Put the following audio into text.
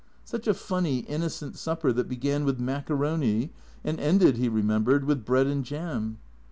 Such a funny, innocent supper that began with maccaroni, and ended, he remembered, with bread and jam.